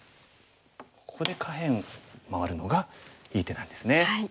ここで下辺回るのがいい手なんですね。